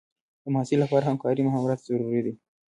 د محصل لپاره همکارۍ مهارت ضروري دی.